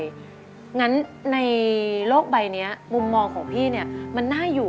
อย่างนั้นในโรคใบเนี่ยมุมมองของพี่มันน่าอยู่